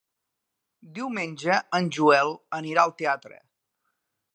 Diumenge en Joel anirà al teatre.